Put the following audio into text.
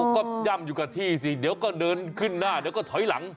ก็ย่ำอยู่กับที่สิเดี๋ยวก็เดินขึ้นหน้าเดี๋ยวก็ถอยหลัง